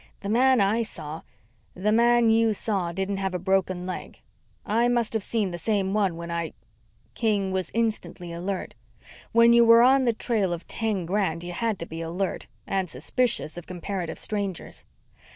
The man I saw " "The man you saw didn't have a broken leg. I must have seen the same one when I " King was instantly alert. When you were on the trail of ten grand you had to be alert, and suspicious of comparative strangers.